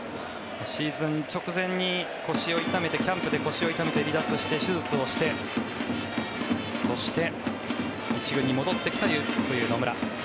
シーズン直前にキャンプで腰を痛めて離脱して手術をしてそして１軍に戻ってきた野村。